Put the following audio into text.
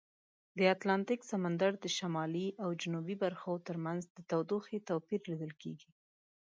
د اتلانتیک سمندر د شمالي او جنوبي برخو ترمنځ د تودوخې توپیر لیدل کیږي.